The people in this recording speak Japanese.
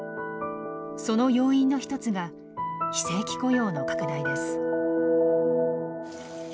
その要因の一つが非正規雇用の拡大です。